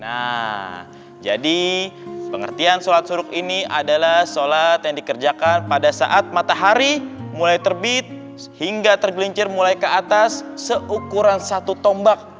nah jadi pengertian sholat suruk ini adalah sholat yang dikerjakan pada saat matahari mulai terbit hingga tergelincir mulai ke atas seukuran satu tombak